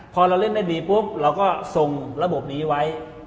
พอเราเล่นได้ดีปุ๊บเราก็ส่งระบบนี้ไว้